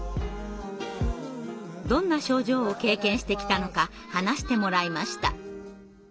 どんな症状を経験してきたのか話してもらいました。